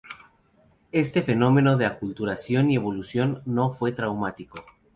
Este fenómeno de aculturación y evolución no fue traumático.